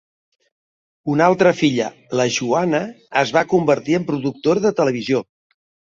Una altra filla, la Joana, es va convertir en productora de televisió.